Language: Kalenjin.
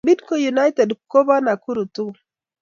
Bidgo united ko pa nakuru tugul